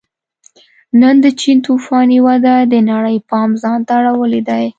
نن د چین توفاني وده د نړۍ پام ځان ته اړولی دی